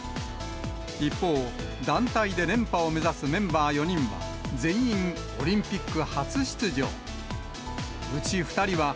一方、団体で連覇を目指すメンバー４人は、全員オリンピック初出場。